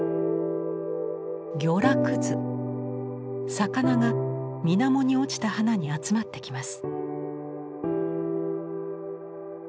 魚がみなもに落ちた花に集まってきます。